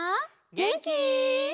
げんき？